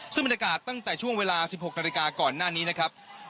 ซึ่งบรรยากาศตั้งแต่ช่วงเวลา๑๖นาฬิกาก่อนหน้านี้นะครับ